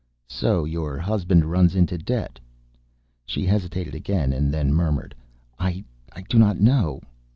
"So your husband runs into debt?" She hesitated again, and then murmured: "I do not know."